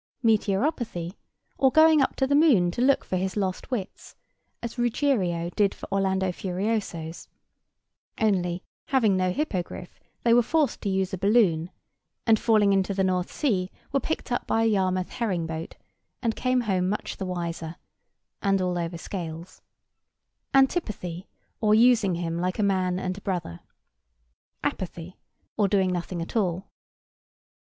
Meteoropathy, or going up to the moon to look for his lost wits, as Ruggiero did for Orlando Furioso's: only, having no hippogriff, they were forced to use a balloon; and, falling into the North Sea, were picked up by a Yarmouth herring boat, and came home much the wiser, and all over scales. Antipathy, or using him like "a man and a brother." Apathy, or doing nothing at all.